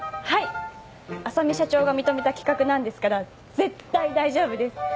はい浅海社長が認めた企画なんですから絶対大丈夫です！